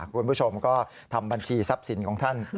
คุณผู้ชมก็ทำบัญชีทรัพย์สินของท่าน